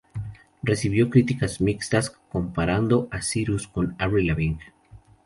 Recibió críticas mixtas, comparando a Cyrus con Avril Lavigne.